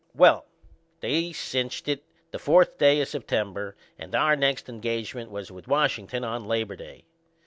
Well, they cinched it the fourth day o' September and our next engagement was with Washin'ton on Labor Day.